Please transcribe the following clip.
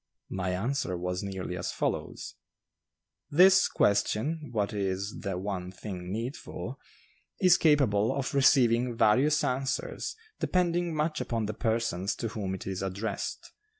My answer was nearly as follows: "This question 'what is the one thing needful?' is capable of receiving various answers, depending much upon the persons to whom it is addressed.